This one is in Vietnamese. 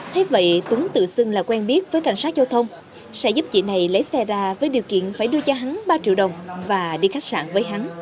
thế vậy tuấn tự xưng là quen biết với cảnh sát giao thông sẽ giúp chị này lấy xe ra với điều kiện phải đưa cho hắn ba triệu đồng và đi khách sạn với hắn